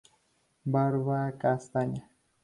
Barba castaña.